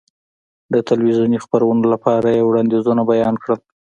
د تلویزیوني خپرونو لپاره یې وړاندیزونه بیان کړل.